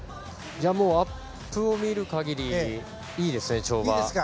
もうアップを見る限りいいですね、跳馬。